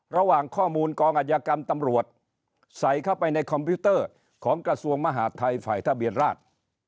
ระหว่างข้อมูลกองอัธยกรรมตำรวจใส่เข้าไปในคอมพิวเตอร์ของกระทรวงมหาดไทยฝ่ายทะเบียนราช